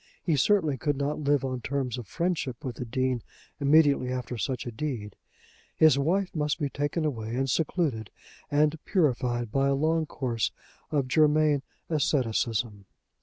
He certainly could not live on terms of friendship with the Dean immediately after such a deed. His wife must be taken away and secluded, and purified by a long course of Germain asceticism.